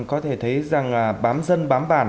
có thể thấy rằng bám dân bám bản